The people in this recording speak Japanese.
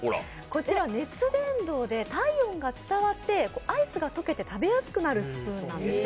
こちら熱伝導で体温が伝わってアイスが溶けて食べやすくなるスプーンなんです。